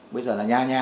bây giờ là nhà nhà